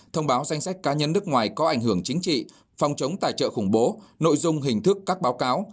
thông báo danh sách cá nhân nước ngoài có ảnh hưởng chính trị phòng chống tài trợ khủng bố nội dung hình thức các báo cáo